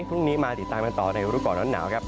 พรุ่งนี้มาติดตามกันต่อในรูปก่อนร้อนหนาวครับ